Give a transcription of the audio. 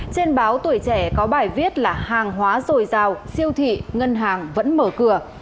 trên báo tuổi trẻ có bài viết là hàng hóa rồi rào siêu thị ngân hàng vẫn mở cửa